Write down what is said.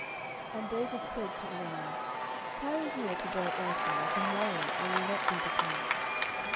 10:011:012 And David said to Uriah, Tarry here to day also, and to morrow I will let thee depart.